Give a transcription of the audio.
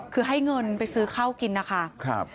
คือให้เงินไปซื้อข้าวกินนะคะ